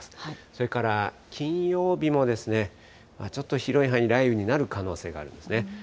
それから金曜日もちょっと広い範囲、雷雨になる可能性があるんですね。